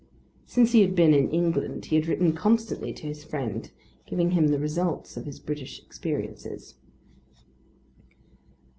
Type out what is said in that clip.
Since he had been in England he had written constantly to his friend, giving him the result of his British experiences.